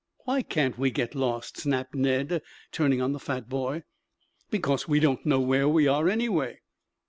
"Why can't we get lost?" snapped Ned turning on the fat boy. "Because we don't know where we are anyway."